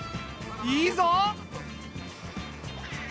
いいぞ！